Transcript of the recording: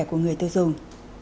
của người tiêu dùng